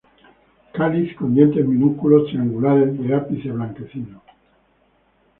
Cáliz con dientes minúsculos, triangulares, de ápice blanquecino.